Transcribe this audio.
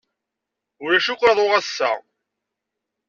Ulac akk aḍu ass-a.